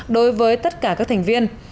đối với tất cả các thành viên